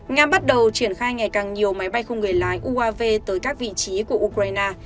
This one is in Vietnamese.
nga bắt đầu triển khai ngày càng nhiều máy bay không người lái uav tới các vị trí của ukraine